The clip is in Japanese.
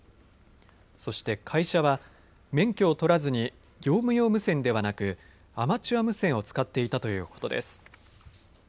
そして会社は免許を取らずに業務用無線ではなくアマチュア無線を使っていたということです。